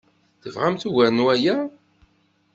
Tebɣamt ugar n waya?